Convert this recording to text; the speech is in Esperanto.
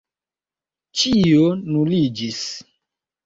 Ĉio nuliĝis.